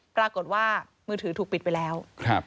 ปรากฏว่ามือถือถูกปิดไปแล้ว